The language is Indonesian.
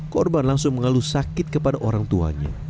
korban langsung mengeluh sakit kepada orang tuanya